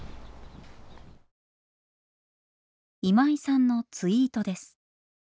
今井さんのツイートです。